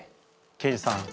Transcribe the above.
刑事さん。